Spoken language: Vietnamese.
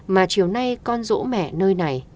mà chiều nay con rỗ mẹ nơi này